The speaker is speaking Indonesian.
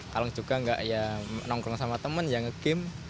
kalau juga nggak ya nongkrong sama temen yang nge game